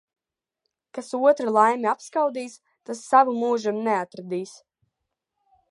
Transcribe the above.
Kas otra laimi apskaudīs, tas savu mūžam neatradīs.